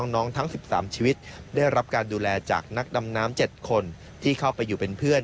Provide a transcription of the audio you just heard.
ทั้ง๑๓ชีวิตได้รับการดูแลจากนักดำน้ำ๗คนที่เข้าไปอยู่เป็นเพื่อน